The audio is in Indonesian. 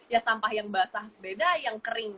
ya sampah yang basah beda yang kering